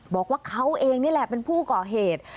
บอกว่าเขาเองนี่แหละเป็นผู้ก่อเหตุ